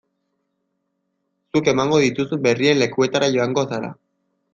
Zuk emango dituzun berrien lekuetara joango zara.